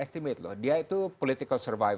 dia itu pengeluh politik